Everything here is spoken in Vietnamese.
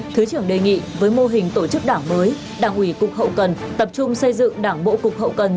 thứ trưởng đề nghị với mô hình tổ chức đảng mới đảng ủy cục hậu cần tập trung xây dựng đảng bộ cục hậu cần